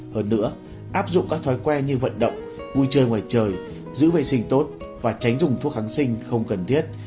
hơn nữa áp dụng các thói quen như vận động vui chơi ngoài trời giữ vệ sinh tốt và tránh dùng thuốc kháng sinh không cần thiết